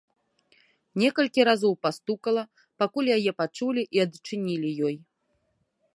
Некалькі разоў пастукала, пакуль яе пачулі і адчынілі ёй.